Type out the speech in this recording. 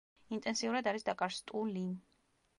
ინტენსიურად არის დაკარსტული.